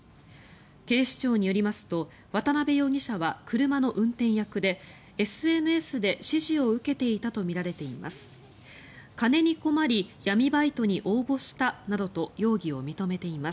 警視庁によりますと渡辺容疑者は車の運転役でＳＮＳで指示を受けていたとみられています。